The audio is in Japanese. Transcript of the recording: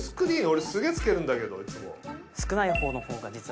俺すげぇつけるんだけどいつも。